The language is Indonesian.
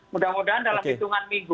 mudah mudahan dalam hitungan minggu